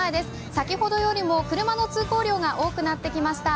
先ほどよりも車の通行量が多くなってきました。